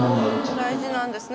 大事なんですね